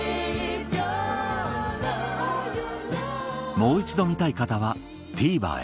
もう一度見たい方はＴＶｅｒへ